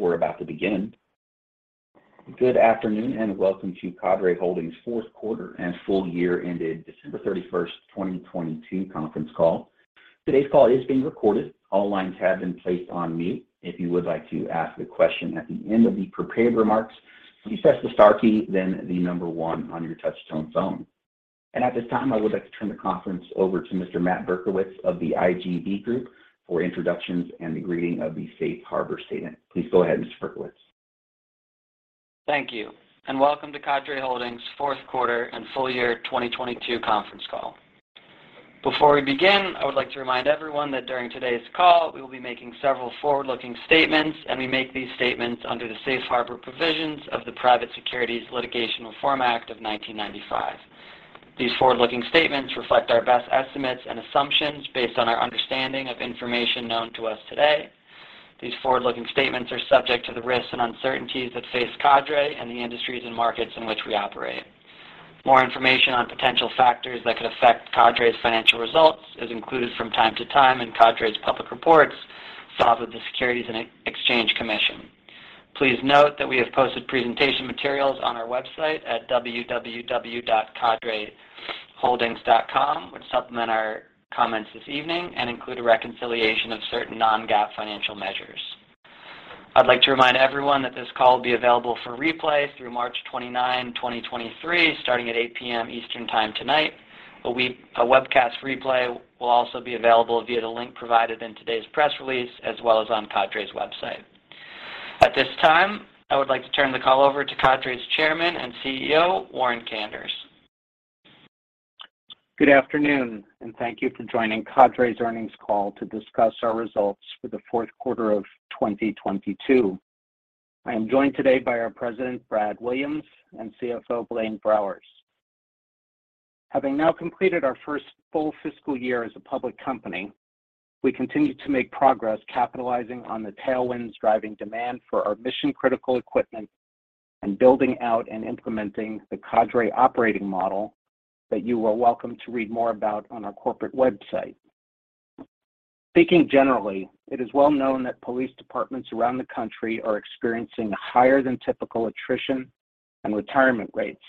We're about to begin. Welcome to Cadre Holdings' fourth quarter and full year ended December 31st, 2022 conference call. Today's call is being recorded. All lines have been placed on mute. If you would like to ask a question at the end of the prepared remarks, please press the star key, then the number one on your touch-tone phone. At this time, I would like to turn the conference over to Mr. Matt Berkowitz of The IGB Group for introductions and the reading of the safe harbor statement. Please go ahead, Mr. Berkowitz. Thank you. Welcome to Cadre Holdings' fourth quarter and full year 2022 conference call. Before we begin, I would like to remind everyone that during today's call, we will be making several forward-looking statements. We make these statements under the Safe Harbor Provisions of the Private Securities Litigation Reform Act of 1995. These forward-looking statements reflect our best estimates and assumptions based on our understanding of information known to us today. These forward-looking statements are subject to the risks and uncertainties that face Cadre and the industries and markets in which we operate. More information on potential factors that could affect Cadre's financial results is included from time to time in Cadre's public reports filed with the Securities and Exchange Commission. Please note that we have posted presentation materials on our website at www.cadreholdings.com, which supplement our comments this evening and include a reconciliation of certain non-GAAP financial measures. I'd like to remind everyone that this call will be available for replay through March 29th, 2023, starting at 8:00 P.M. Eastern Time tonight. A webcast replay will also be available via the link provided in today's press release, as well as on Cadre's website. At this time, I would like to turn the call over to Cadre's Chairman and CEO, Warren Kanders. Good afternoon, and thank you for joining Cadre's earnings call to discuss our results for the fourth quarter of 2022. I am joined today by our President, Brad Williams, and CFO, Blaine Browers. Having now completed our first full fiscal year as a public company, we continue to make progress capitalizing on the tailwinds driving demand for our mission-critical equipment and building out and implementing the Cadre Operating Model that you are welcome to read more about on our corporate website. Speaking generally, it is well known that police departments around the country are experiencing higher than typical attrition and retirement rates.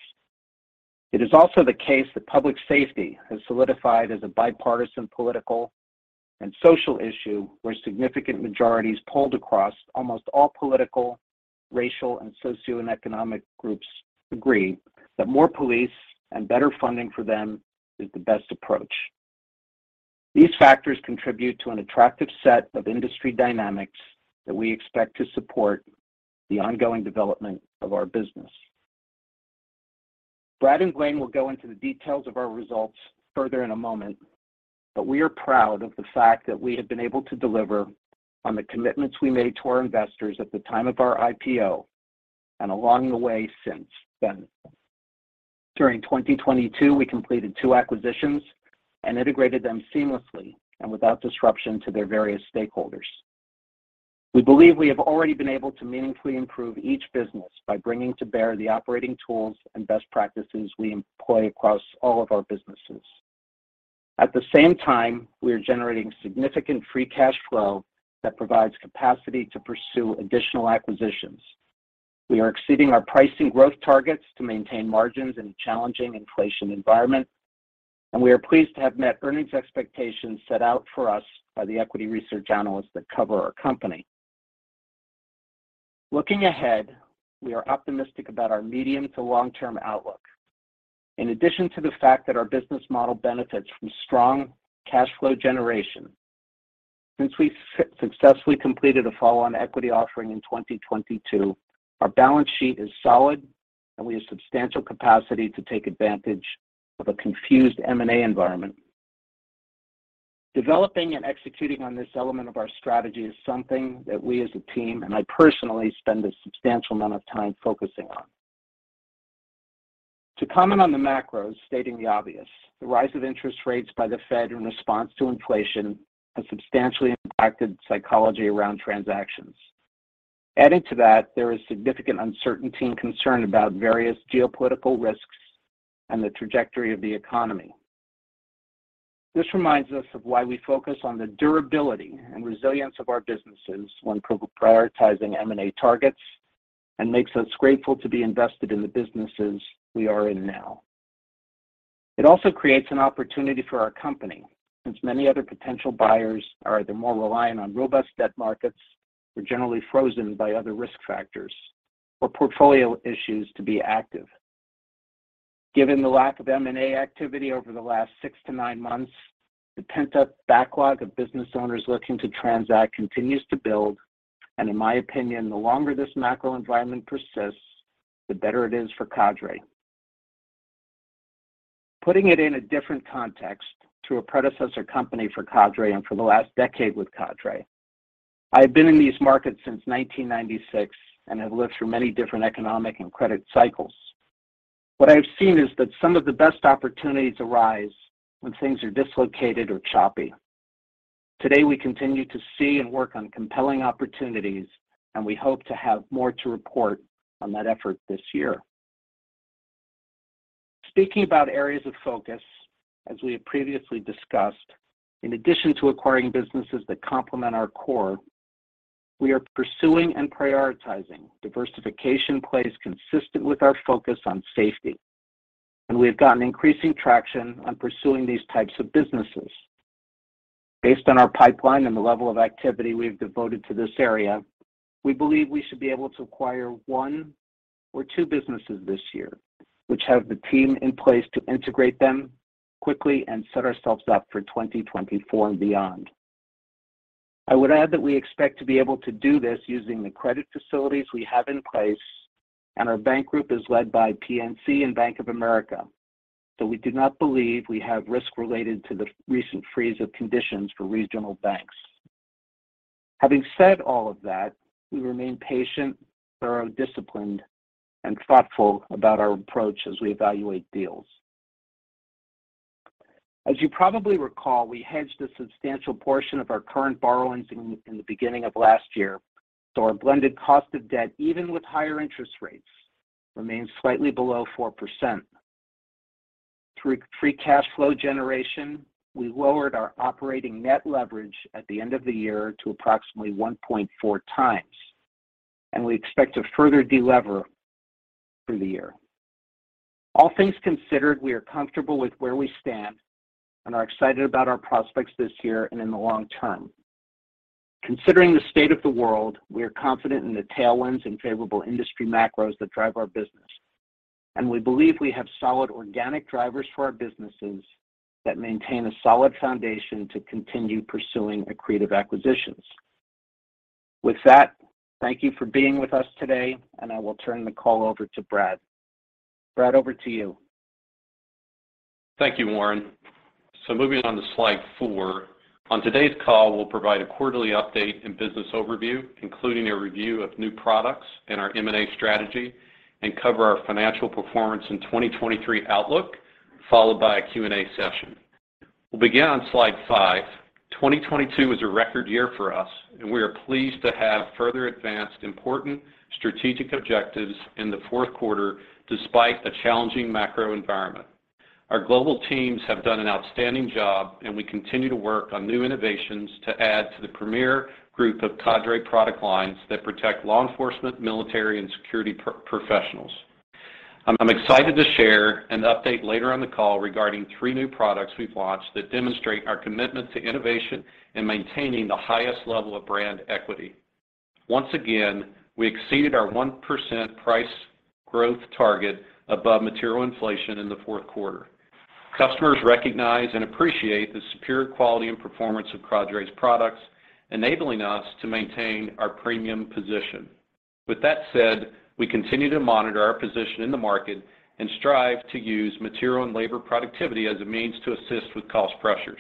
It is also the case that public safety has solidified as a bipartisan political and social issue where significant majorities polled across almost all political, racial, and socioeconomic groups agree that more police and better funding for them is the best approach. These factors contribute to an attractive set of industry dynamics that we expect to support the ongoing development of our business. Brad and Blaine will go into the details of our results further in a moment. We are proud of the fact that we have been able to deliver on the commitments we made to our investors at the time of our IPO and along the way since then. During 2022, we completed two acquisitions and integrated them seamlessly and without disruption to their various stakeholders. We believe we have already been able to meaningfully improve each business by bringing to bear the operating tools and best practices we employ across all of our businesses. At the same time, we are generating significant free cash flow that provides capacity to pursue additional acquisitions. We are exceeding our pricing growth targets to maintain margins in a challenging inflation environment. We are pleased to have met earnings expectations set out for us by the equity research analysts that cover our company. Looking ahead, we are optimistic about our medium to long-term outlook. In addition to the fact that our business model benefits from strong cash flow generation, since we successfully completed a follow-on equity offering in 2022, our balance sheet is solid. We have substantial capacity to take advantage of a confused M&A environment. Developing and executing on this element of our strategy is something that we as a team, and I personally, spend a substantial amount of time focusing on. To comment on the macros, stating the obvious, the rise of interest rates by the Fed in response to inflation has substantially impacted psychology around transactions. Added to that, there is significant uncertainty and concern about various geopolitical risks and the trajectory of the economy. This reminds us of why we focus on the durability and resilience of our businesses when prioritizing M&A targets and makes us grateful to be invested in the businesses we are in now. It also creates an opportunity for our company, since many other potential buyers are either more reliant on robust debt markets or generally frozen by other risk factors or portfolio issues to be active. Given the lack of M&A activity over the last six to nine months, the pent-up backlog of business owners looking to transact continues to build, in my opinion, the longer this macro environment persists, the better it is for Cadre. Putting it in a different context, through a predecessor company for Cadre and for the last decade with Cadre, I have been in these markets since 1996 and have lived through many different economic and credit cycles. What I have seen is that some of the best opportunities arise when things are dislocated or choppy. Today, we continue to see and work on compelling opportunities, and we hope to have more to report on that effort this year. Speaking about areas of focus, as we have previously discussed, in addition to acquiring businesses that complement our core, we are pursuing and prioritizing diversification plays consistent with our focus on safety. We have gotten increasing traction on pursuing these types of businesses. Based on our pipeline and the level of activity we have devoted to this area, we believe we should be able to acquire one or two businesses this year, which have the team in place to integrate them quickly and set ourselves up for 2024 and beyond. I would add that we expect to be able to do this using the credit facilities we have in place, and our bank group is led by PNC and Bank of America. We do not believe we have risk related to the recent freeze of conditions for regional banks. Having said all of that, we remain patient, thorough disciplined, and thoughtful about our approach as we evaluate deals. As you probably recall, we hedged a substantial portion of our current borrowings in the beginning of last year, so our blended cost of debt, even with higher interest rates, remains slightly below 4%. Through free cash flow generation, we lowered our operating net leverage at the end of the year to approximately 1.4x. We expect to further deliver through the year. All things considered, we are comfortable with where we stand and are excited about our prospects this year and in the long term. Considering the state of the world, we are confident in the tailwinds and favorable industry macros that drive our business. We believe we have solid organic drivers for our businesses that maintain a solid foundation to continue pursuing accretive acquisitions. With that, thank you for being with us today. I will turn the call over to Brad. Brad, over to you. Thank you, Warren. Moving on to slide four. On today's call, we'll provide a quarterly update and business overview, including a review of new products and our M&A strategy, and cover our financial performance in 2023 outlook, followed by a Q&A session. We'll begin on slide five. 2022 was a record year for us, and we are pleased to have further advanced important strategic objectives in the fourth quarter despite a challenging macro environment. Our global teams have done an outstanding job, and we continue to work on new innovations to add to the premier group of Cadre product lines that protect law enforcement, military, and security professionals. I'm excited to share an update later on the call regarding three new products we've launched that demonstrate our commitment to innovation and maintaining the highest level of brand equity. Once again, we exceeded our 1% price growth target above material inflation in the fourth quarter. Customers recognize and appreciate the superior quality and performance of Cadre's products, enabling us to maintain our premium position. We continue to monitor our position in the market and strive to use material and labor productivity as a means to assist with cost pressures.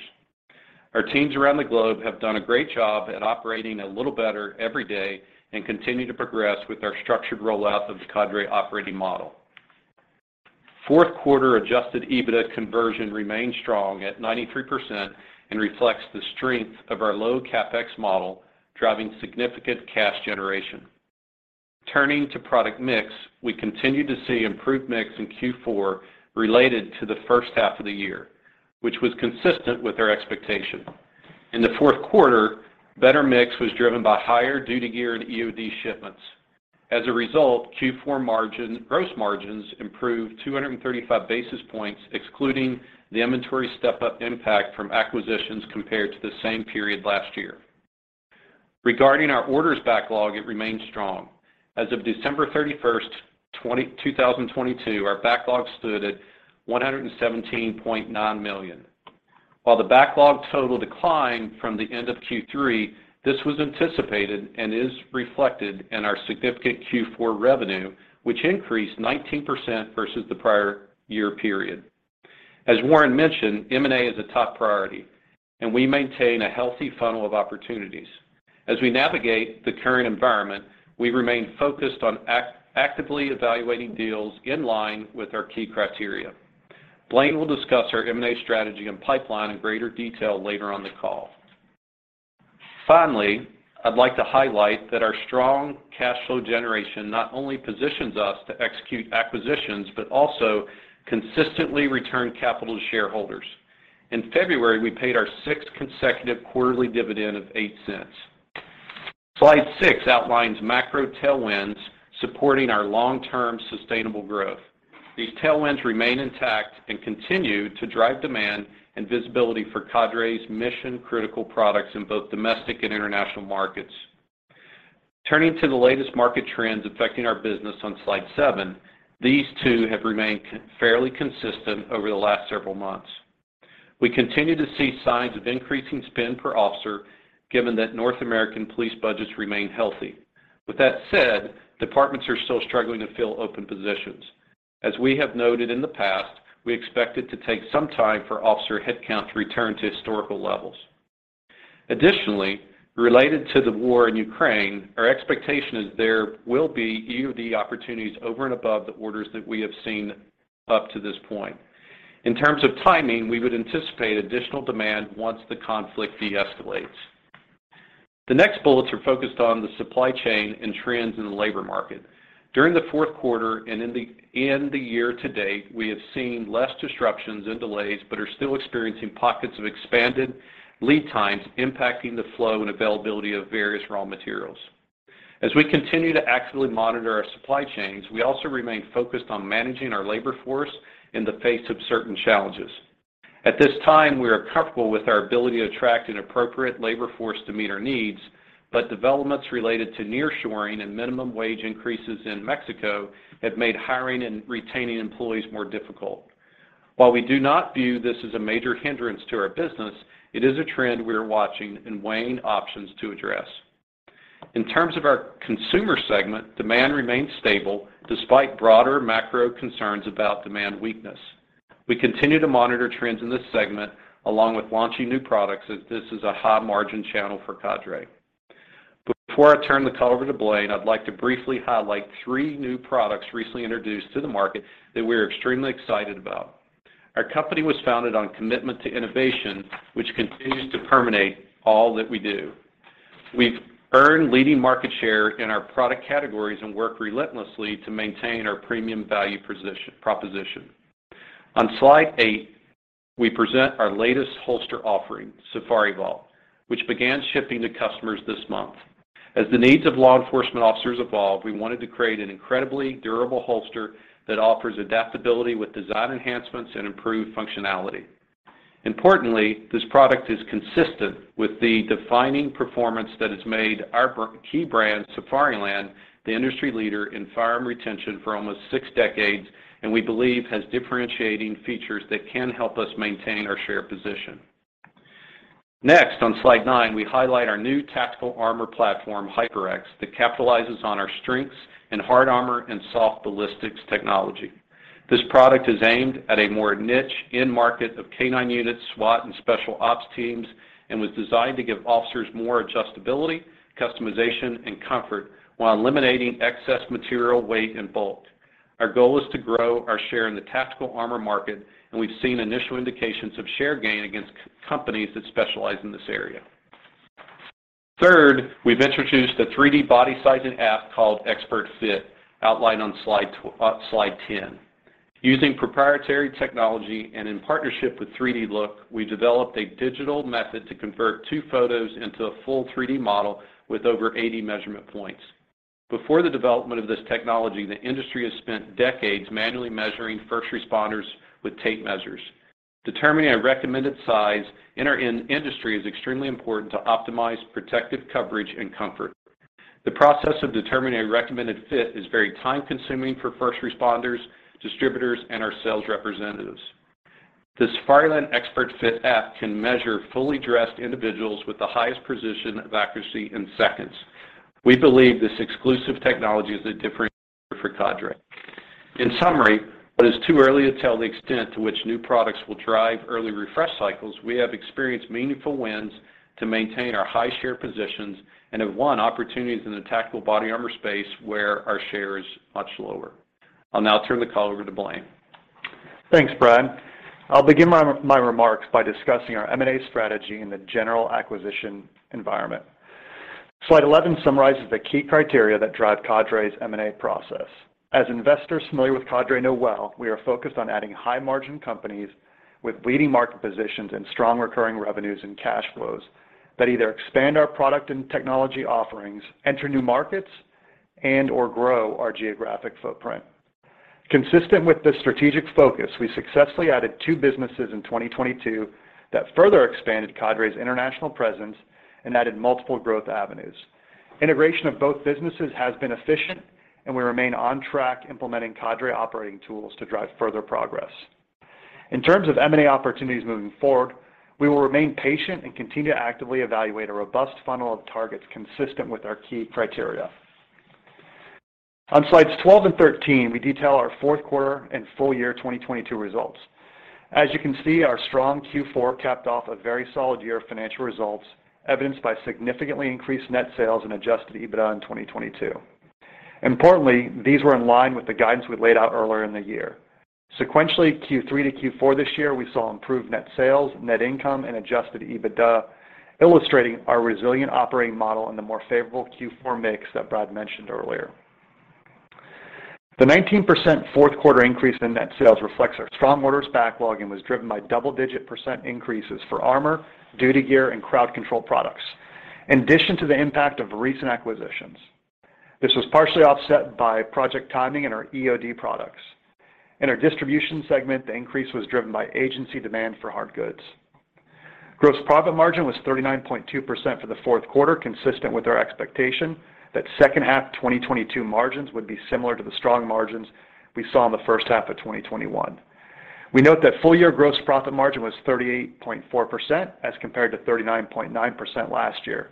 Our teams around the globe have done a great job at operating a little better every day and continue to progress with our structured rollout of the Cadre Operating Model. Fourth quarter Adjusted EBITDA conversion remained strong at 93% and reflects the strength of our low CapEx model, driving significant cash generation. Turning to product mix, we continued to see improved mix in Q4 related to the first half of the year, which was consistent with our expectation. In the fourth quarter, better mix was driven by higher duty gear and EOD shipments. As a result, Q4 gross margins improved 235 basis points, excluding the inventory step-up impact from acquisitions compared to the same period last year. Regarding our orders backlog, it remained strong. As of December 31st, 2022, our backlog stood at $117.9 million. While the backlog total declined from the end of Q3, this was anticipated and is reflected in our significant Q4 revenue, which increased 19% versus the prior year period. As Warren mentioned, M&A is a top priority, and we maintain a healthy funnel of opportunities. As we navigate the current environment, we remain focused on actively evaluating deals in line with our key criteria. Blaine will discuss our M&A strategy and pipeline in greater detail later on the call. I'd like to highlight that our strong cash flow generation not only positions us to execute acquisitions, but also consistently return capital to shareholders. In February, we paid our sixth consecutive quarterly dividend of $0.08. Slide six outlines macro tailwinds supporting our long-term sustainable growth. These tailwinds remain intact and continue to drive demand and visibility for Cadre's mission-critical products in both domestic and international markets. Turning to the latest market trends affecting our business on slide seven, these two have remained fairly consistent over the last several months. We continue to see signs of increasing spend per officer given that North American police budgets remain healthy. With that said, departments are still struggling to fill open positions. As we have noted in the past, we expect it to take some time for officer headcount to return to historical levels. Additionally, related to the war in Ukraine, our expectation is there will be EOD opportunities over and above the orders that we have seen up to this point. In terms of timing, we would anticipate additional demand once the conflict deescalates. The next bullets are focused on the supply chain and trends in the labor market. During the fourth quarter and in the year to date, we have seen less disruptions and delays, but are still experiencing pockets of expanded lead times impacting the flow and availability of various raw materials. As we continue to actively monitor our supply chains, we also remain focused on managing our labor force in the face of certain challenges. At this time, we are comfortable with our ability to attract an appropriate labor force to meet our needs. Developments related to nearshoring and minimum wage increases in Mexico have made hiring and retaining employees more difficult. While we do not view this as a major hindrance to our business, it is a trend we are watching and weighing options to address. In terms of our consumer segment, demand remains stable despite broader macro concerns about demand weakness. We continue to monitor trends in this segment along with launching new products, as this is a high-margin channel for Cadre. Before I turn the call over to Blaine, I'd like to briefly highlight three new products recently introduced to the market that we are extremely excited about. Our company was founded on commitment to innovation, which continues to permeate all that we do. We've earned leading market share in our product categories and work relentlessly to maintain our premium value proposition. On slide eight, we present our latest holster offering, SafariVault, which began shipping to customers this month. As the needs of law enforcement officers evolve, we wanted to create an incredibly durable holster that offers adaptability with design enhancements and improved functionality. Importantly, this product is consistent with the defining performance that has made our key brand, Safariland, the industry leader in firearm retention for almost six decades, and we believe has differentiating features that can help us maintain our share position. Next, on slide nine, we highlight our new tactical armor platform, HyperX, that capitalizes on our strengths in hard armor and soft ballistics technology. This product is aimed at a more niche end market of K-9 units, SWAT, and special ops teams, and was designed to give officers more adjustability, customization, and comfort while eliminating excess material, weight, and bulk. Our goal is to grow our share in the tactical armor market, we've seen initial indications of share gain against companies that specialize in this area. Third, we've introduced a 3D body sizing app called XpertFit, outlined on slide 10. Using proprietary technology in partnership with 3DLOOK, we developed a digital method to convert two photos into a full 3D model with over 80 measurement points. Before the development of this technology, the industry has spent decades manually measuring first responders with tape measures. Determining a recommended size in our industry is extremely important to optimize protective coverage and comfort. The process of determining a recommended fit is very time-consuming for first responders, distributors, and our sales representatives. The Safariland XpertFit App can measure fully-dressed individuals with the highest precision of accuracy in seconds. We believe this exclusive technology is a differentiator for Cadre. In summary, while it is too early to tell the extent to which new products will drive early refresh cycles, we have experienced meaningful wins to maintain our high share positions and have won opportunities in the tactical body armor space where our share is much lower. I'll now turn the call over to Blaine. Thanks, Brad. I'll begin my remarks by discussing our M&A strategy in the general acquisition environment. Slide 11 summarizes the key criteria that drive Cadre's M&A process. As investors familiar with Cadre know well, we are focused on adding high-margin companies with leading market positions and strong recurring revenues and cash flows that either expand our product and technology offerings, enter new markets, and/or grow our geographic footprint. Consistent with this strategic focus, we successfully added two businesses in 2022 that further expanded Cadre's international presence and added multiple growth avenues. Integration of both businesses has been efficient, and we remain on track implementing Cadre operating tools to drive further progress. In terms of M&A opportunities moving forward, we will remain patient and continue to actively evaluate a robust funnel of targets consistent with our key criteria. On slides 12 and 13, we detail our fourth quarter and full year 2022 results. As you can see, our strong Q4 capped off a very solid year of financial results, evidenced by significantly increased net sales and Adjusted EBITDA in 2022. Importantly, these were in line with the guidance we laid out earlier in the year. Sequentially, Q3 to Q4 this year, we saw improved net sales, net income, and Adjusted EBITDA, illustrating our resilient operating model and the more favorable Q4 mix that Brad mentioned earlier. The 19% fourth quarter increase in net sales reflects our strong orders backlog and was driven by double-digit % increases for armor, duty gear, and crowd control products in addition to the impact of recent acquisitions. This was partially offset by project timing in our EOD products. In our distribution segment, the increase was driven by agency demand for hard goods. Gross profit margin was 39.2% for the fourth quarter, consistent with our expectation that second half 2022 margins would be similar to the strong margins we saw in the first half of 2021. We note that full year gross profit margin was 38.4% as compared to 39.9% last year.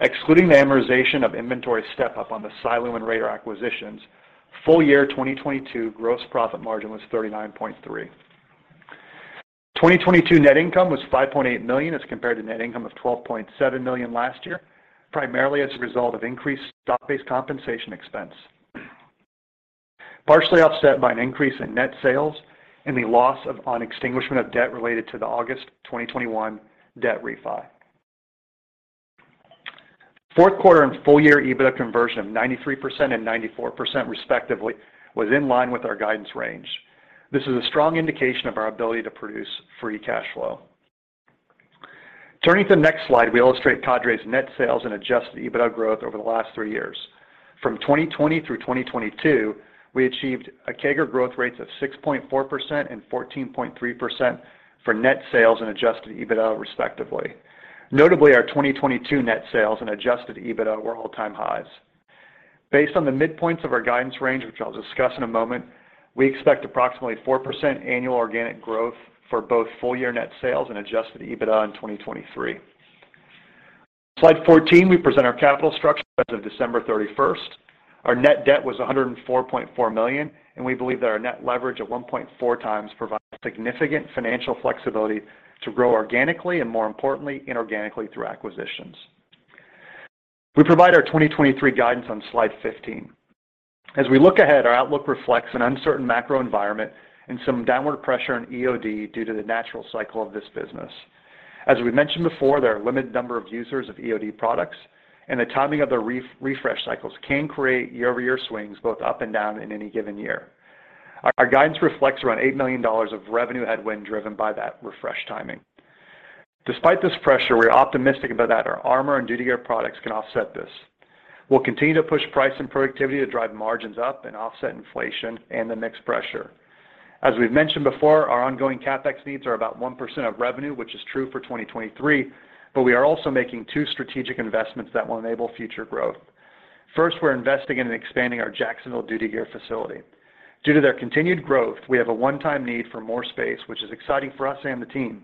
Excluding the amortization of inventory step-up on the Shiloh and Radar acquisitions, full year 2022 gross profit margin was 39.3%. 2022 net income was $5.8 million as compared to net income of $12.7 million last year, primarily as a result of increased stock-based compensation expense. Partially offset by an increase in net sales and the loss of on extinguishment of debt related to the August 2021 debt refi. Fourth quarter and full year EBITDA conversion of 93% and 94% respectively was in line with our guidance range. This is a strong indication of our ability to produce free cash flow. Turning to the next slide, we illustrate Cadre's net sales and Adjusted EBITDA growth over the last three years. From 2020 through 2022, we achieved a CAGR growth rates of 6.4% and 14.3% for net sales and Adjusted EBITDA respectively. Notably, our 2022 net sales and Adjusted EBITDA were all-time highs. Based on the midpoints of our guidance range, which I'll discuss in a moment, we expect approximately 4% annual organic growth for both full year net sales and Adjusted EBITDA in 2023. Slide 14, we present our capital structure as of December 31st. Our net debt was $104.4 million. We believe that our net leverage of 1.4x provides significant financial flexibility to grow organically and more importantly, inorganically through acquisitions. We provide our 2023 guidance on slide 15. As we look ahead, our outlook reflects an uncertain macro environment and some downward pressure on EOD due to the natural cycle of this business. As we mentioned before, there are a limited number of users of EOD products. The timing of the refresh cycles can create year-over-year swings, both up and down in any given year. Our guidance reflects around $8 million of revenue headwind driven by that refresh timing. Despite this pressure, we're optimistic about that our armor and duty gear products can offset this. We'll continue to push price and productivity to drive margins up and offset inflation and the mix pressure. As we've mentioned before, our ongoing CapEx needs are about 1% of revenue, which is true for 2023, but we are also making two strategic investments that will enable future growth. First, we're investing in expanding our Jacksonville duty gear facility. Due to their continued growth, we have a one-time need for more space, which is exciting for us and the team.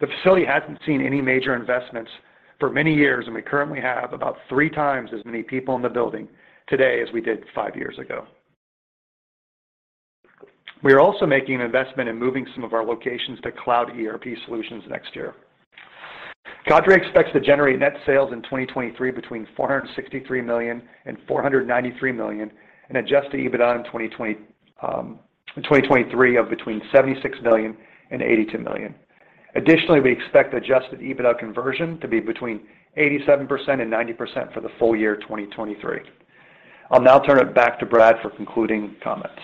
The facility hasn't seen any major investments for many years, and we currently have about 3x as many people in the building today as we did five years ago. We are also making an investment in moving some of our locations to cloud ERP solutions next year. Cadre expects to generate net sales in 2023 between $463 million and $493 million, and adjust to EBITDA in 2023 of between $76 million and $82 million. Additionally, we expect Adjusted EBITDA Conversion to be between 87% and 90% for the full year 2023. I'll now turn it back to Brad for concluding comments.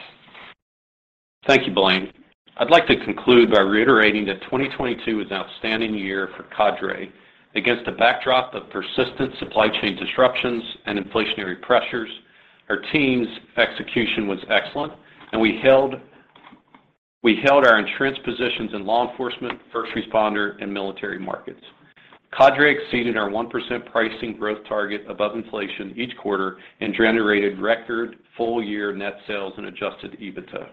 Thank you, Blaine. I'd like to conclude by reiterating that 2022 was an outstanding year for Cadre. Against a backdrop of persistent supply chain disruptions and inflationary pressures, our team's execution was excellent, and we held our entrenched positions in law enforcement, first responder, and military markets. Cadre exceeded our 1% pricing growth target above inflation each quarter and generated record full-year net sales and Adjusted EBITDA.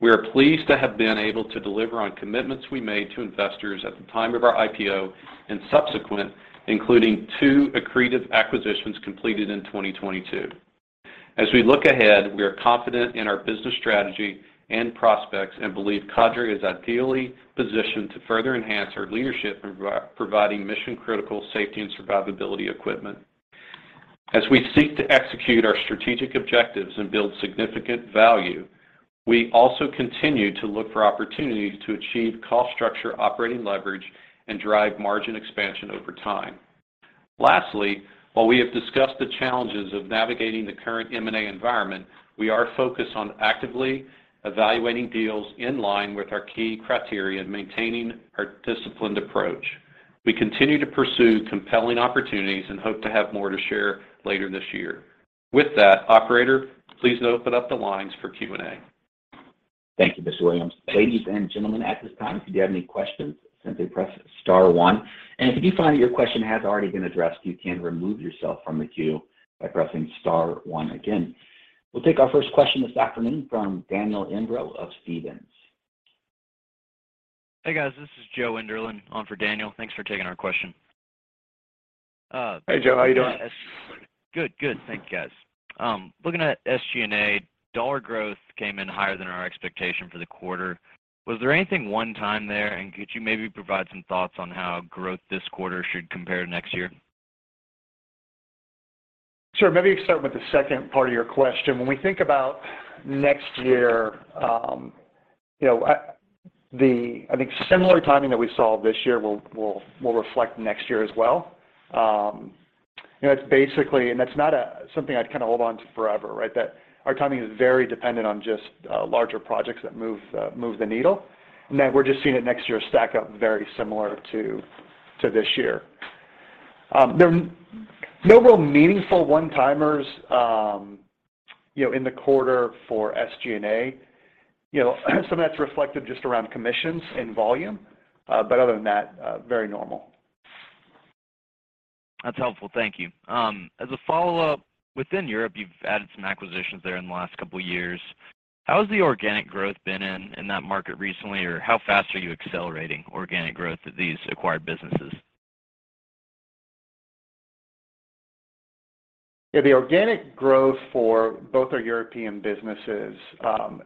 We are pleased to have been able to deliver on commitments we made to investors at the time of our IPO and subsequent, including two accretive acquisitions completed in 2022. As we look ahead, we are confident in our business strategy and prospects and believe Cadre is ideally positioned to further enhance our leadership in providing mission-critical safety and survivability equipment. As we seek to execute our strategic objectives and build significant value, we also continue to look for opportunities to achieve cost structure operating leverage and drive margin expansion over time. Lastly, while we have discussed the challenges of navigating the current M&A environment, we are focused on actively evaluating deals in line with our key criteria and maintaining our disciplined approach. We continue to pursue compelling opportunities and hope to have more to share later this year. With that, operator, please open up the lines for Q&A. Thank you, Mr. Williams. Thank you. Ladies and gentlemen, at this time, if you do have any questions, simply press star one. If you find that your question has already been addressed, you can remove yourself from the queue by pressing star one again. We'll take our first question this afternoon from Daniel Imbro of Stephens. Hey, guys. This is Joe Enderlin on for Daniel. Thanks for taking our question. Hey, Joe. How you doing? Good. Thank you, guys. Looking at SG&A, dollar growth came in higher than our expectation for the quarter. Was there anything one-time there? Could you maybe provide some thoughts on how growth this quarter should compare to next year? Sure. Maybe start with the second part of your question. When we think about next year, you know, I think similar timing that we saw this year will reflect next year as well. You know, that's not something I'd kind of hold on to forever, right? That our timing is very dependent on just larger projects that move the needle. Then we're just seeing it next year stack up very similar to this year. There are no real meaningful one-timers, you know, in the quarter for SG&A. You know, some of that's reflective just around commissions and volume. Other than that, very normal. That's helpful. Thank you. As a follow-up, within Europe, you've added some acquisitions there in the last couple years. How has the organic growth been in that market recently, or how fast are you accelerating organic growth of these acquired businesses? The organic growth for both our European businesses,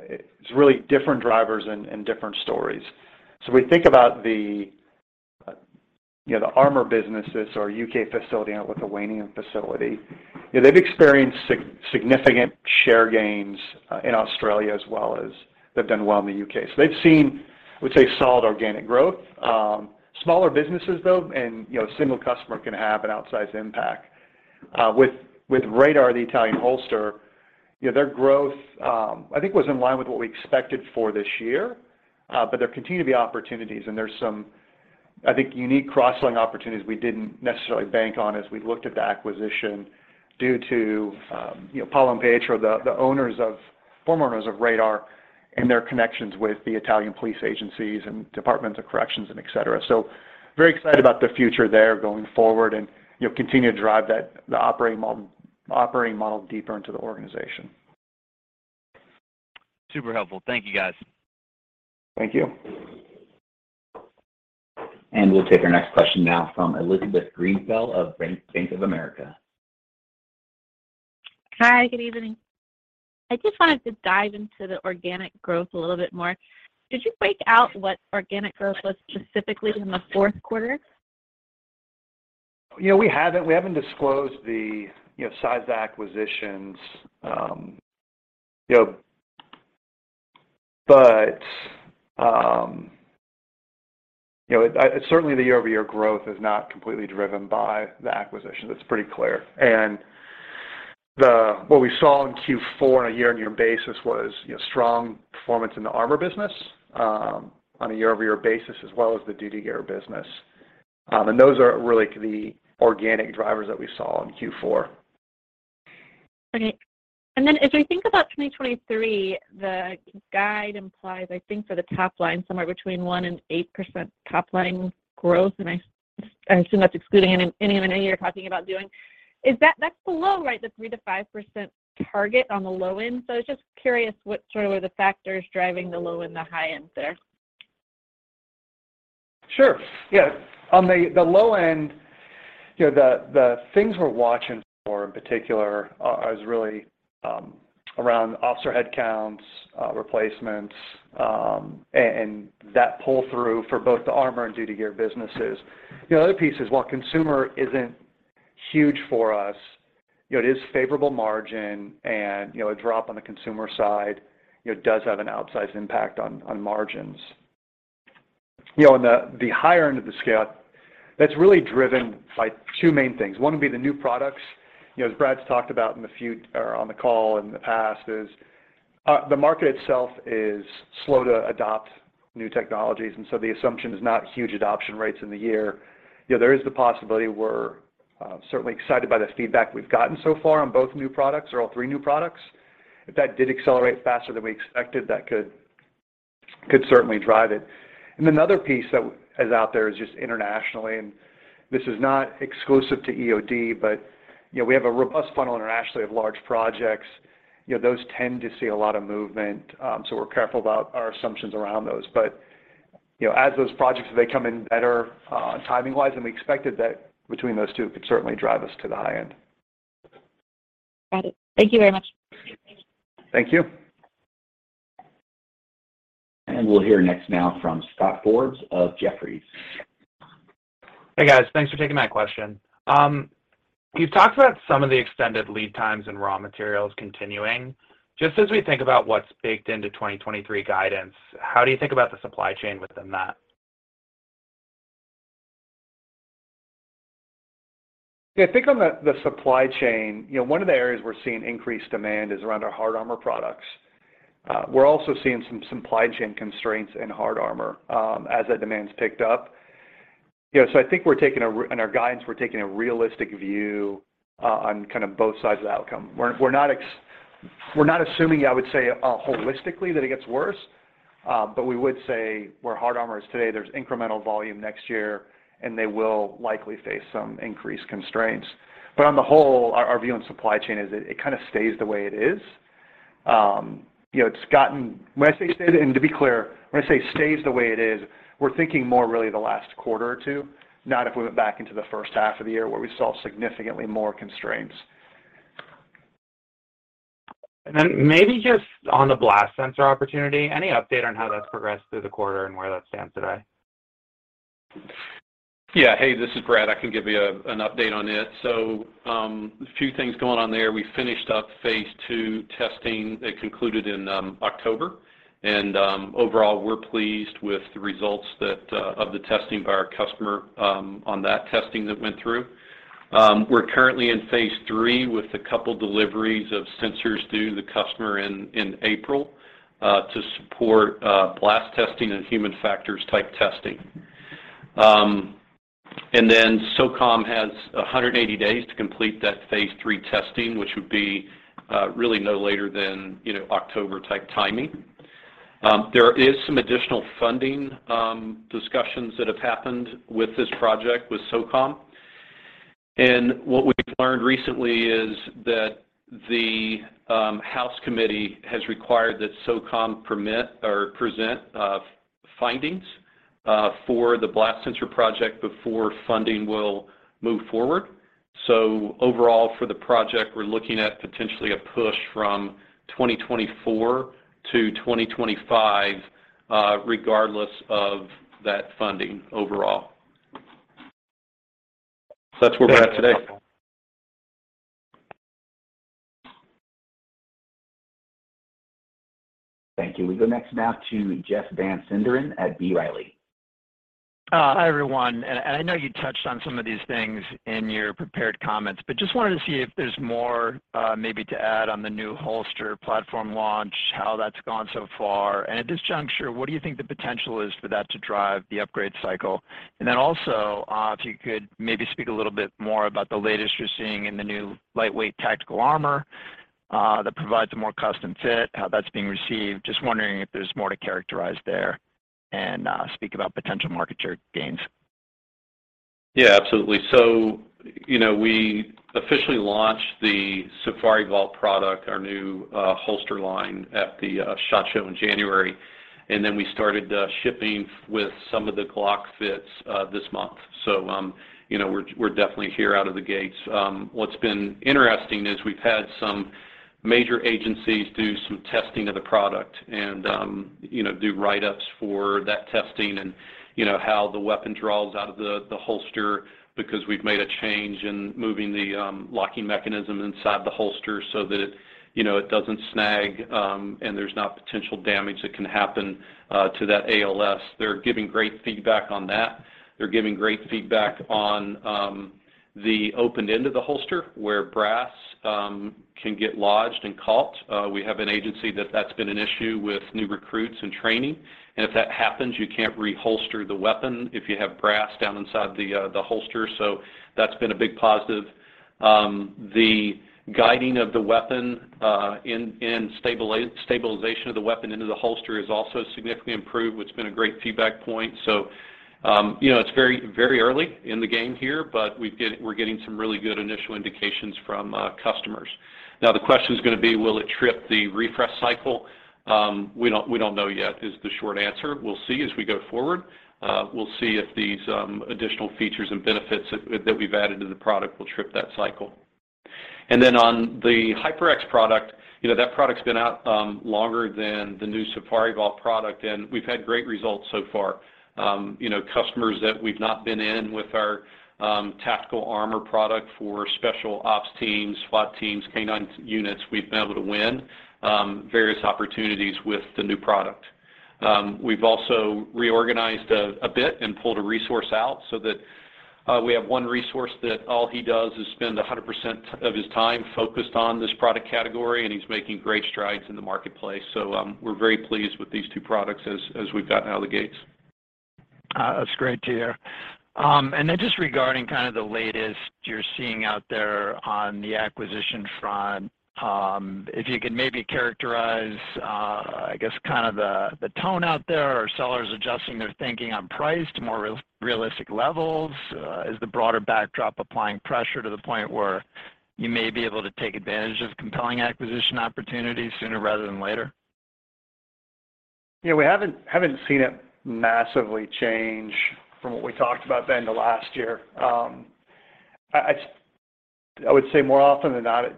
it's really different drivers and different stories. We think about the. You know, the armor businesses or U.K. facility and Lithuanian facility, you know, they've experienced significant share gains in Australia as well as they've done well in the U.K. They've seen, I would say, solid organic growth. Smaller businesses though, and, you know, a single customer can have an outsized impact. With Radar, the Italian holster, you know, their growth, I think was in line with what we expected for this year. There continue to be opportunities and there's some, I think, unique cross-selling opportunities we didn't necessarily bank on as we looked at the acquisition due to, you know, Paul and Pedro, the owners of... former owners of Radar and their connections with the Italian police agencies and departments of corrections and et cetera. Very excited about the future there going forward and, you know, continue to drive the operating model deeper into the organization. Super helpful. Thank you, guys. Thank you. We'll take our next question now from Elizabeth Suzuki of Bank of America. Hi, good evening. I just wanted to dive into the organic growth a little bit more. Could you break out what organic growth was specifically in the fourth quarter? Yeah, we haven't, we haven't disclosed the, you know, size of the acquisitions. you know, but, you know, certainly, the year-over-year growth is not completely driven by the acquisition. That's pretty clear. What we saw in Q4 on a year-on-year basis was, you know, strong performance in the armor business, on a year-over-year basis as well as the duty gear business. Those are really the organic drivers that we saw in Q4. Okay. As we think about 2023, the guide implies I think for the top line somewhere between 1% and 8% top line growth. I assume that's excluding any M&A you're talking about doing? That's below, right, the 3%-5% target on the low end? I was just curious what sort of are the factors driving the low end, the high end there. Sure. Yeah. On the low end, you know, the things we're watching for in particular as really around officer headcounts, replacements, and that pull-through for both the armor and duty gear businesses. The other piece is while consumer isn't huge for us, you know, it is favorable margin and you know, a drop on the consumer side, you know, does have an outsized impact on margins. You know, on the higher end of the scale, that's really driven by two main things. One would be the new products. You know, as Brad's talked about on the call in the past, is, the market itself is slow to adopt new technologies. The assumption is not huge adoption rates in the year. You know, there is the possibility we're certainly excited by the feedback we've gotten so far on both new products or all three new products. If that did accelerate faster than we expected, that could certainly drive it. Another piece that is out there is just internationally, and this is not exclusive to EOD, but, you know, we have a robust funnel internationally of large projects. You know, those tend to see a lot of movement, so we're careful about our assumptions around those. You know, as those projects, if they come in better timing-wise than we expected, that between those two could certainly drive us to the high end. Got it. Thank you very much. Thank you. We'll hear next now from Scott Stember of Jefferies. Hey, guys. Thanks for taking my question. You talked about some of the extended lead times in raw materials continuing. Just as we think about what's baked into 2023 guidance, how do you think about the supply chain within that? Yeah. I think on the supply chain, you know, one of the areas we're seeing increased demand is around our hard armor products. We're also seeing some supply chain constraints in hard armor, as that demand's picked up. You know, I think we're taking a realistic view on kind of both sides of the outcome. We're not assuming, I would say, holistically that it gets worse. We would say where hard armor is today, there's incremental volume next year, and they will likely face some increased constraints. On the whole, our view on supply chain is it kind of stays the way it is. You know, it's gotten... When I say stays, and to be clear, when I say stays the way it is, we're thinking more really the last quarter or two, not if we went back into the first half of the year where we saw significantly more constraints. Maybe just on the blast sensor opportunity, any update on how that's progressed through the quarter and where that stands today? Yeah. Hey, this is Brad. I can give you an update on it. A few things going on there. We finished up phase II testing. It concluded in October. Overall, we're pleased with the results that of the testing by our customer, on that testing that went through. We're currently in phase III with a couple deliveries of sensors due to the customer in April, to support blast testing and human factors type testing. SOCOM has 180 days to complete that phase III testing, which would be really no later than, you know, October type timing. There is some additional funding, discussions that have happened with this project with SOCOM. What we've learned recently is that the house committee has required that SOCOM permit or present findings for the blast sensor project before funding will move forward. Overall for the project, we're looking at potentially a push from 2024 to 2025, regardless of that funding overall. That's where we're at today. Thank you. We go next now to Jeff Van Sinderen at B. Riley. Hi, everyone. I know you touched on some of these things in your prepared comments, but just wanted to see if there's more, maybe to add on the new holster platform launch, how that's gone so far. At this juncture, what do you think the potential is for that to drive the upgrade cycle? Also, if you could maybe speak a little bit more about the latest you're seeing in the new lightweight tactical armor, that provides a more custom fit, how that's being received. Just wondering if there's more to characterize there and speak about potential market share gains. Yeah, absolutely. You know, we officially launched the SafariVault product, our new holster line at the SHOT Show in January, and then we started shipping with some of the Glock fits this month. You know, we're definitely here out of the gates. What's been interesting is we've had some major agencies do some testing of the product and, you know, do write-ups for that testing and, you know, how the weapon draws out of the holster because we've made a change in moving the locking mechanism inside the holster so that it, you know, it doesn't snag, and there's not potential damage that can happen to that ALS. They're giving great feedback on that. They're giving great feedback on the opened end of the holster where brass can get lodged and caught. We have an agency that's been an issue with new recruits in training. If that happens, you can't reholster the weapon if you have brass down inside the holster. That's been a big positive. The guiding of the weapon, and stabilization of the weapon into the holster is also significantly improved, which has been a great feedback point. You know, it's very, very early in the game here, but we're getting some really good initial indications from customers. The question is gonna be, will it trip the refresh cycle? We don't know yet is the short answer. We'll see as we go forward. We'll see if these additional features and benefits that we've added to the product will trip that cycle. On the HyperX product, you know, that product's been out longer than the new SafariVault product, and we've had great results so far. You know, customers that we've not been in with our tactical armor product for special ops teams, SWAT teams, K-9 units, we've been able to win various opportunities with the new product. We've also reorganized a bit and pulled a resource out so that we have one resource that all he does is spend 100% of his time focused on this product category, and he's making great strides in the marketplace. We're very pleased with these two products as we've gotten out of the gates. That's great to hear. Just regarding kind of the latest you're seeing out there on the acquisition front, if you could maybe characterize, I guess, kind of the tone out there. Are sellers adjusting their thinking on price to more realistic levels? Is the broader backdrop applying pressure to the point where you may be able to take advantage of compelling acquisition opportunities sooner rather than later? Yeah, we haven't seen it massively change from what we talked about then to last year. I would say more often than not, it,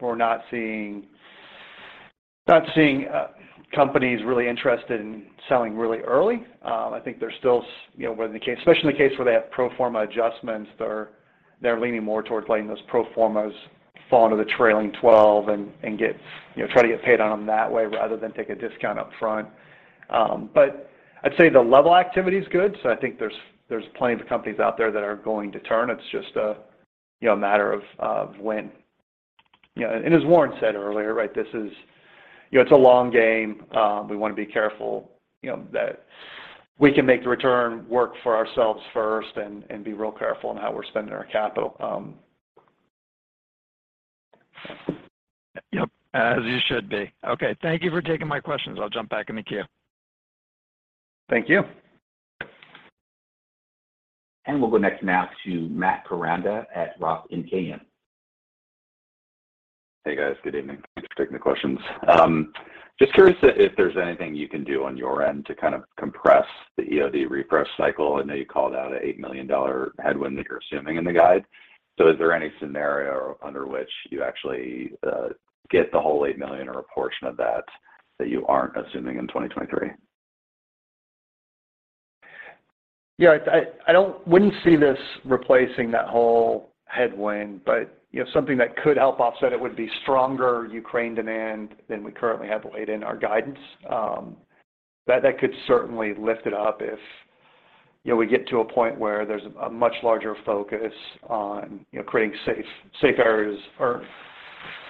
we're not seeing companies really interested in selling really early. I think they're still, you know, especially in the case where they have pro forma adjustments, they're leaning more towards letting those pro formas fall into the trailing 12 and get, you know, try to get paid on them that way rather than take a discount up front. I'd say the level activity is good, so I think there's plenty of companies out there that are going to turn. It's just a, you know, matter of when. You know, and as Warren said earlier, right? This is, you know, it's a long game. We wanna be careful, you know, that we can make the return work for ourselves first and be real careful in how we're spending our capital. Yep, as you should be. Okay. Thank you for taking my questions. I'll jump back in the queue. Thank you. We'll go next now to Matt Koranda at ROTH Capital Partners. Hey, guys. Good evening. Thanks for taking the questions. Just curious if there's anything you can do on your end to kind of compress the EOD refresh cycle. I know you called out an $8 million headwind that you're assuming in the guide. Is there any scenario under which you actually get the whole $8 million or a portion of that you aren't assuming in 2023? Yeah. I wouldn't see this replacing that whole headwind, but, you know, something that could help offset it would be stronger Ukraine demand than we currently have laid in our guidance. That could certainly lift it up if, you know, we get to a point where there's a much larger focus on, you know, creating safe areas or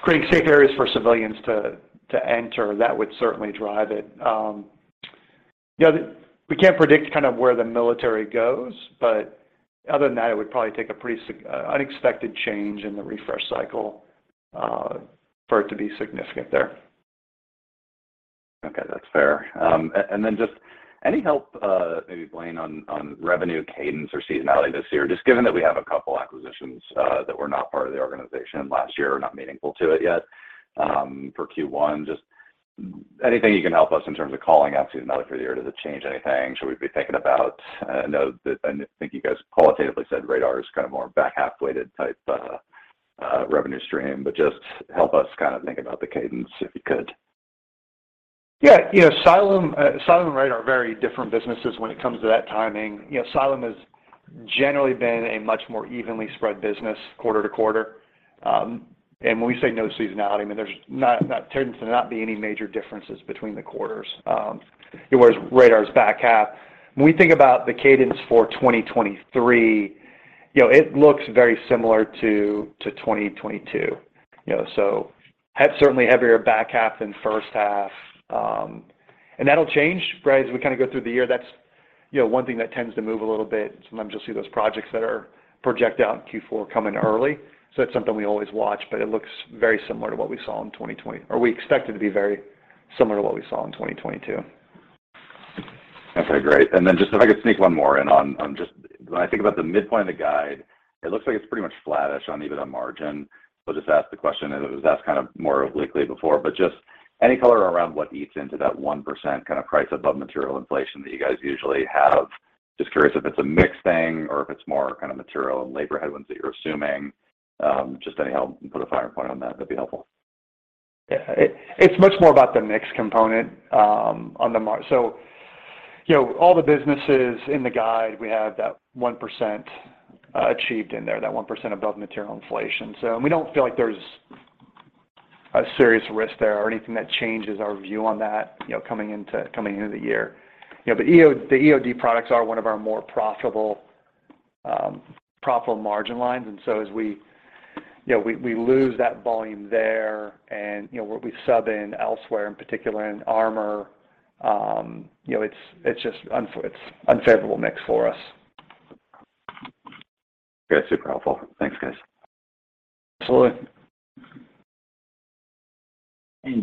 creating safe areas for civilians to enter. That would certainly drive it. You know, we can't predict kind of where the military goes, but other than that, it would probably take a pretty unexpected change in the refresh cycle for it to be significant there. Okay. That's fair. Just any help, maybe Blaine, on revenue cadence or seasonality this year, just given that we have a couple acquisitions that were not part of the organization last year or not meaningful to it yet, for Q1, anything you can help us in terms of calling out seasonality for the year? Does it change anything? Should we be thinking about, know that I think you guys qualitatively said Radar is kind of more back-half-weighted type revenue stream, but just help us kind of think about the cadence, if you could. Yeah, you know, Cyalume and Radar are very different businesses when it comes to that timing. You know, Cyalume has generally been a much more evenly spread business quarter to quarter. When we say no seasonality, I mean, there's tends to not be any major differences between the quarters, whereas Radar's back half. When we think about the cadence for 2023, you know, it looks very similar to 2022. You know, have certainly heavier back half than first half. That'll change, right, as we kinda go through the year. That's, you know, one thing that tends to move a little bit. Sometimes you'll see those projects that are projected out in Q4 coming early. That's something we always watch, but we expect it to be very similar to what we saw in 2022. Okay, great. Just if I could sneak one more in on just when I think about the midpoint of the guide, it looks like it's pretty much flattish on even on margin. I'll just ask the question, and it was asked kind of more obliquely before, but just any color around what eats into that 1% kind of price above material inflation that you guys usually have. Just curious if it's a mix thing or if it's more kind of material and labor headwinds that you're assuming. Just any help, put a finer point on that'd be helpful. It's much more about the mix component, you know, all the businesses in the guide, we have that 1% achieved in there, that 1% above material inflation. We don't feel like there's a serious risk there or anything that changes our view on that, you know, coming into, coming into the year. You know, the EOD products are one of our more profitable margin lines. As we, you know, we lose that volume there and, you know, what we sub in elsewhere, in particular in Armor, you know, it's unfavorable mix for us. Yeah, super helpful. Thanks, guys. Absolutely.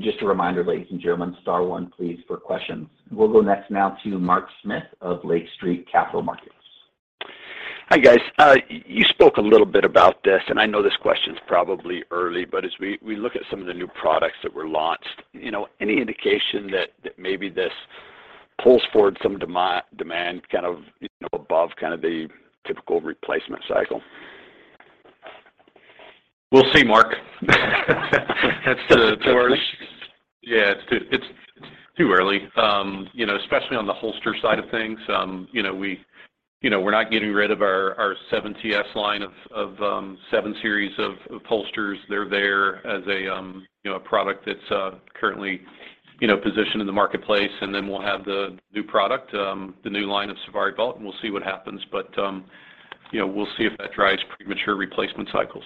Just a reminder, ladies and gentlemen, star one, please, for questions. We'll go next now to Mark Smith of Lake Street Capital Markets. Hi, guys. You spoke a little bit about this, and I know this question is probably early, but as we look at some of the new products that were launched, you know, any indication that maybe this pulls forward some demand kind of, you know, above kind of the typical replacement cycle? We'll see, Mark. That's. Too early. Yeah, it's too early. You know, especially on the holster side of things, you know, we, you know, we're not getting rid of our 7TS line of seven series of holsters. They're there as a, you know, a product that's currently, you know, positioned in the marketplace, and then we'll have the new product, the new line of Safari Belt, and we'll see what happens. You know, we'll see if that drives premature replacement cycles.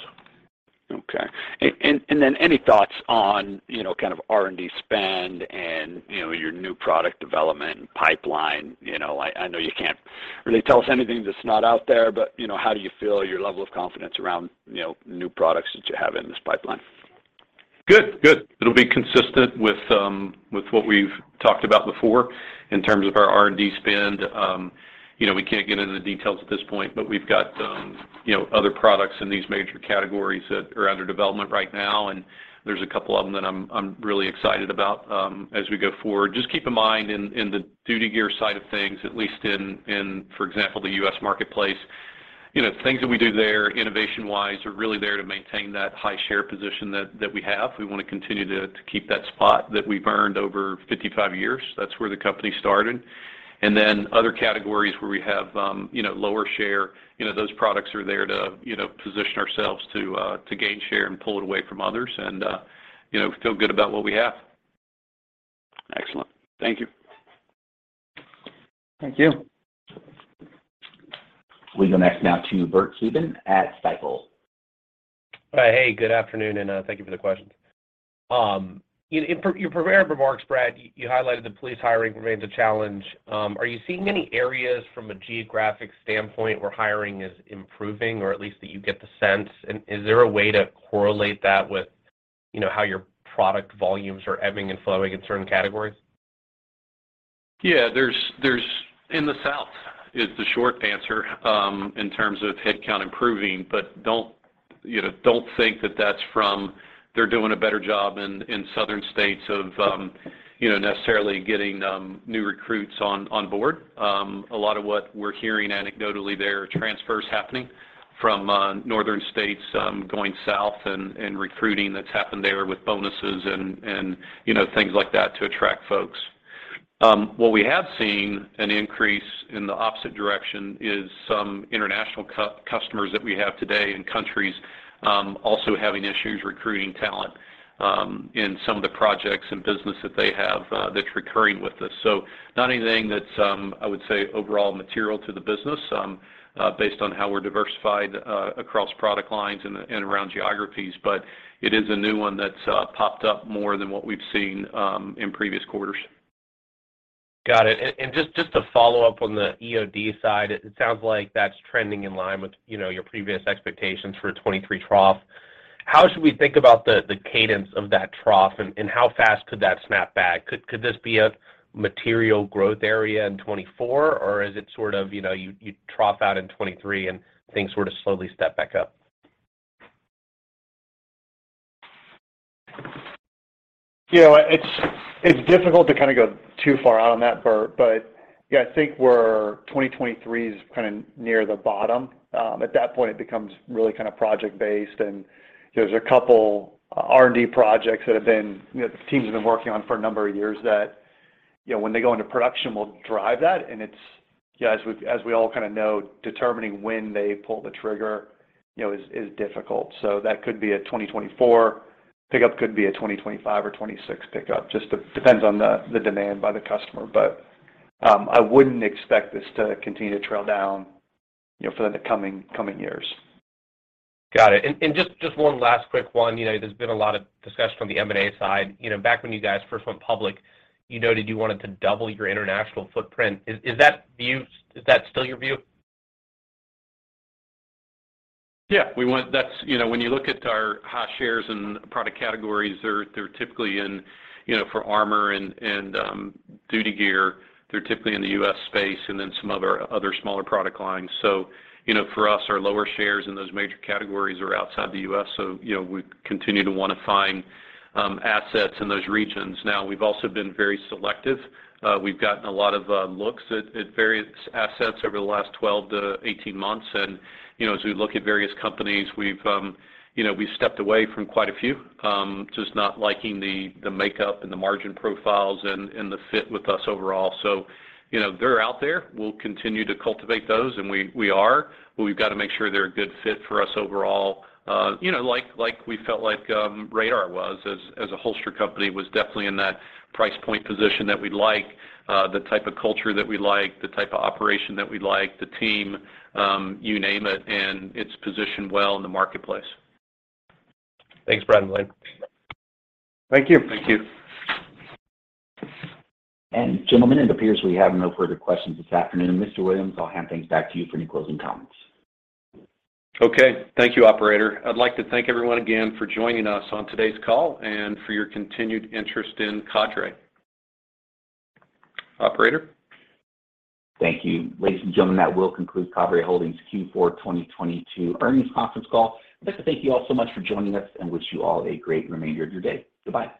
Okay. Then any thoughts on, you know, kind of R&D spend and, you know, your new product development pipeline? You know, I know you can't really tell us anything that's not out there, but, you know, how do you feel your level of confidence around, you know, new products that you have in this pipeline? Good. Good. It'll be consistent with what we've talked about before in terms of our R&D spend. You know, we can't get into the details at this point, but we've got, you know, other products in these major categories that are under development right now, and there's a couple of them that I'm really excited about as we go forward. Just keep in mind, in the duty gear side of things, at least in, for example, the U.S. marketplace, you know, things that we do there innovation-wise are really there to maintain that high share position that we have. We wanna continue to keep that spot that we've earned over 55 years. That's where the company started. Other categories where we have, you know, lower share, you know, those products are there to gain share and pull it away from others and, you know, feel good about what we have. Excellent. Thank you. Thank you. We go next now to Bert Subin at Stifel. Hey, good afternoon, and thank you for the questions. In, in your prepared remarks, Brad, you highlighted the police hiring remains a challenge. Are you seeing any areas from a geographic standpoint where hiring is improving or at least that you get the sense, and is there a way to correlate that with, you know, how your product volumes are ebbing and flowing in certain categories? Yeah. There's in the South is the short answer, in terms of headcount improving, but don't, you know, don't think that that's from they're doing a better job in Southern states of, you know, necessarily getting new recruits on board. A lot of what we're hearing anecdotally there are transfers happening from Northern states, going south and recruiting that's happened there with bonuses and, you know, things like that to attract folks. What we have seen an increase in the opposite direction is some international customers that we have today in countries, also having issues recruiting talent, in some of the projects and business that they have, that's recurring with us. Not anything that's, I would say, overall material to the business, based on how we're diversified, across product lines and around geographies, but it is a new one that's, popped up more than what we've seen, in previous quarters. Got it. And just to follow up on the EOD side, it sounds like that's trending in line with, you know, your previous expectations for a 2023 trough. How should we think about the cadence of that trough and how fast could that snap back? Could this be a material growth area in 2024, or is it sort of, you know, you trough out in 2023 and things sort of slowly step back up? You know, it's difficult to kind of go too far out on that, Bert. Yeah, I think 2023 is kind of near the bottom. At that point, it becomes really kind of project-based. You know, there's a couple R&D projects that have been, you know, the teams have been working on for a number of years that, you know, when they go into production, will drive that. It's, you know, as we all kind of know, determining when they pull the trigger, you know, is difficult. That could be a 2024 pickup, could be a 2025 or 2026 pickup, just depends on the demand by the customer. I wouldn't expect this to continue to trail down, you know, for the coming years. Got it. Just one last quick one. You know, there's been a lot of discussion on the M&A side. You know, back when you guys first went public, you noted you wanted to double your international footprint. Is that still your view? Yeah. That's, you know, when you look at our high shares and product categories, they're typically in, you know, for armor and duty gear, they're typically in the U.S. space and then some other, smaller product lines. You know, for us, our lower shares in those major categories are outside the U.S., so, you know, we continue to wanna find assets in those regions. Now, we've also been very selective. We've gotten a lot of looks at various assets over the last 12 to 18 months. You know, as we look at various companies, we've, you know, we've stepped away from quite a few, just not liking the makeup and the margin profiles and the fit with us overall. You know, they're out there. We'll continue to cultivate those, and we are. We've got to make sure they're a good fit for us overall, you know, like we felt like Radar was as a holster company, was definitely in that price point position that we like, the type of culture that we like, the type of operation that we like, the team, you name it, and it's positioned well in the marketplace. Thanks, Brad and Blaine. Thank you. Thank you. Gentlemen, it appears we have no further questions this afternoon. Mr. Williams, I'll hand things back to you for any closing comments. Okay. Thank you, operator. I'd like to thank everyone again for joining us on today's call and for your continued interest in Cadre. Operator? Thank you. Ladies and gentlemen, that will conclude Cadre Holdings' Q4 2022 earnings conference call. I'd like to thank you all so much for joining us and wish you all a great remainder of your day. Goodbye.